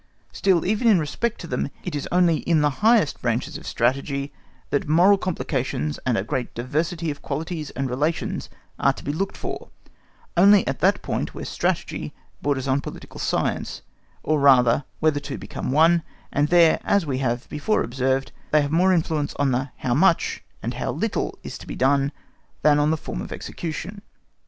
Still, even in respect to them, it is only in the highest branches of Strategy that moral complications and a great diversity of quantities and relations are to be looked for, only at that point where Strategy borders on political science, or rather where the two become one, and there, as we have before observed, they have more influence on the "how much" and "how little" is to be done than on the form of execution.